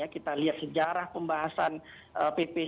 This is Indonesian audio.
kita lihat sejarah pembahasan pp sembilan sembilan dua ribu dua belas